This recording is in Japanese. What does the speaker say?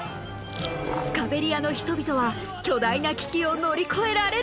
スカベリアの人々は巨大な危機を乗り越えられるのか？